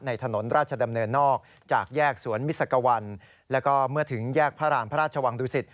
ถนนราชดำเนินนอกจากแยกสวนมิสกวัลแล้วก็เมื่อถึงแยกพระราณพระราชวังดุสิต